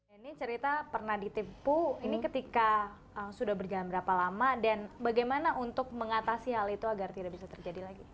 ini cerita pernah ditipu ini ketika sudah berjalan berapa lama dan bagaimana untuk mengatasi hal itu agar tidak bisa terjadi lagi